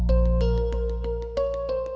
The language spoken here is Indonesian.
aku mau lihat